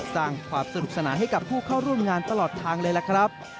สร้างความสนุกสนานให้กับผู้เข้าร่วมงานตลอดทางเลยล่ะครับ